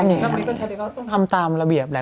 ทั้งนี้ก็ใช้เลยเขาต้องทำตามระเบียบแหละ